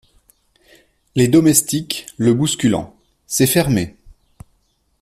Les Domestiques , le bousculant. — C’est fermé !